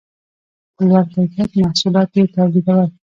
په لوړ کیفیت محصولات یې تولیدول